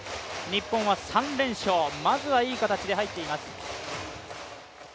日本は３連勝、まずはいい形で入っています。